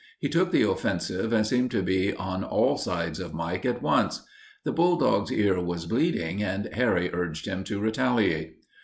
He took the offensive and seemed to be on all sides of Mike at once. The bulldog's ear was bleeding and Harry urged him to retaliate.